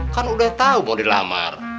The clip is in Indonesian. kan udah tahu mau dilamar